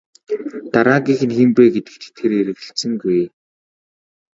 Дараагийнх нь хэн бэ гэдэгт тэр эргэлзсэнгүй.